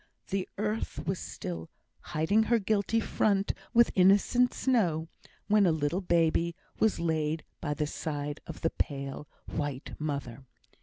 The earth was still "hiding her guilty front with innocent snow," when a little baby was laid by the side of the pale white mother.